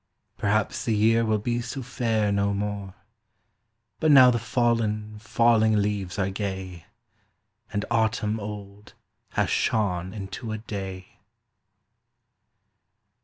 Perhaps the year will be so fair no more, But now the fallen, falling leaves are gay, And autumn old has shone into a Day!